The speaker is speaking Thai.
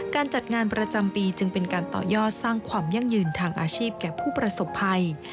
การจัดงานประจำปีจึงเป็นการต่อยอดสร้างความยั่งยืนทางอาชีพแก่ผู้ประสบภัย